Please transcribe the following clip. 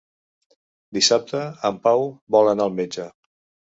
Dissabte en Pau vol anar al metge.